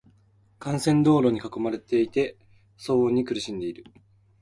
幹線道路に囲まれていて、騒音に苦しんでいる。